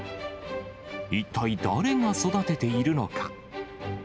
一体誰が育てているのか。